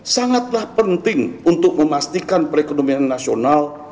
sangatlah penting untuk memastikan perekonomian nasional